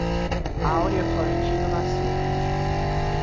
Aurea Florentino da Silva